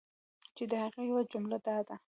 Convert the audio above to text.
چی د هغی یوه جمله دا ده